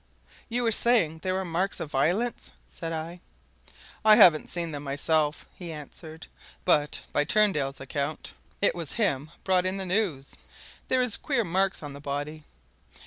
"You were saying there were marks of violence," said I. "I haven't seen them myself," he answered. "But by Turndale's account it was him brought in the news there is queer marks on the body.